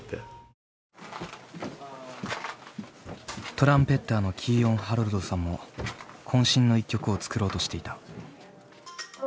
トランペッターのキーヨン・ハロルドさんもこん身の一曲を作ろうとしていた。